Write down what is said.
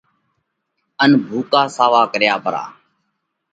ان ڀُوڪا ساوا ڪريا پرا۔